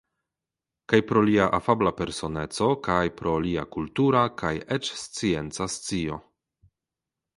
Kaj pro lia afabla personeco kaj pro lia kultura kaj eĉ scienca scio.